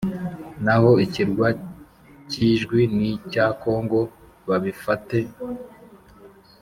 naho ikirwa k Ijwi ni icya congo babifate